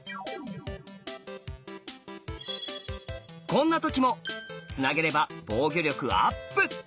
こんな時もつなげれば防御力アップ！